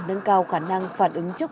nâng cao khả năng phản ứng trước